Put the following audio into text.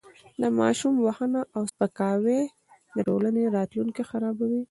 د ماشوم وهنه او سپکاوی د ټولنې راتلونکی خرابوي.